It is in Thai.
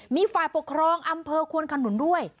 มีฝ่ายปกครองอำเภอควนขนุนด้วย